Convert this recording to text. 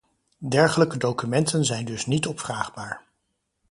Dergelijke documenten zijn dus niet opvraagbaar.